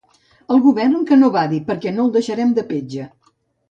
El govern que no badi, perquè no el deixarem de petja.